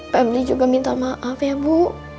pemli juga minta maaf ya bu